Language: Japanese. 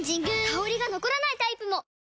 香りが残らないタイプも！